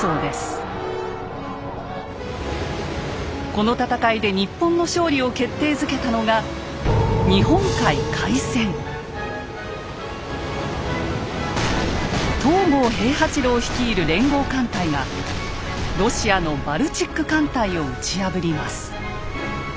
この戦いで日本の勝利を決定づけたのが東郷平八郎率いる連合艦隊がロシアのバルチック艦隊を打ち破ります。